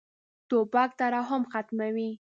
توپک ترحم ختموي.